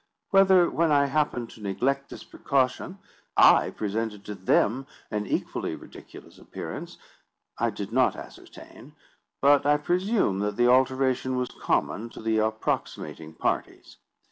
Whether, when I happened to neglect this precaution, I presented to them an equally ridiculous appearance, I did not ascertain; but I presume that the alteration was common to the approximating parties.